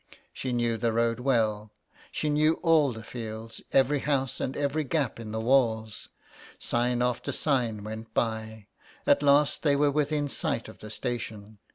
She knew the road well, she knew all the fields, every house and every gap in the walls. Sign after sign went by ; at last they were within sight of the station.